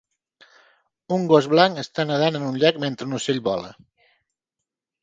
Un gos blanc està nedant en un llac mentre un ocell vola.